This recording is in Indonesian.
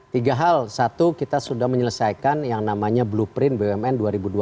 tiga hal satu kita sudah menyelesaikan yang namanya blueprint bumn dua ribu dua puluh empat dua ribu tiga puluh empat